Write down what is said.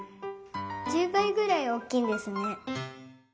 １０ばいぐらいおおきいんですね。